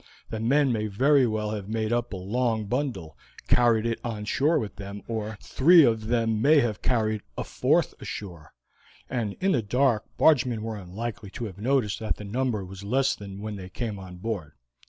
The men may very well have made up a long bundle, carried it on shore with them, or three of them may have carried a fourth ashore; and in the dark the bargemen were unlikely to have noticed that the number was less than when they came on board.